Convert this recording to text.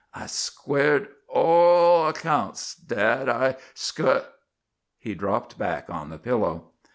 "I squared all accounts dad I squ' " He dropped back on the pillow.